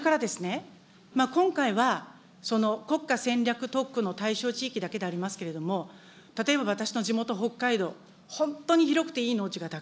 それからですね、今回はその国家戦略特区の対象地域だけでありますけれども、例えば私の地元、北海道、本当に広くていい農地がた